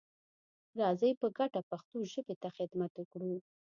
راځئ په ګډه پښتو ژبې ته خدمت وکړو.